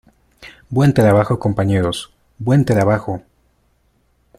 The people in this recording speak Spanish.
Buen trabajo, compañeros. Buen trabajo .